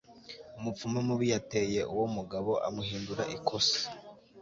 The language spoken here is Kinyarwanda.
umupfumu mubi yateye uwo mugabo amuhindura ikosa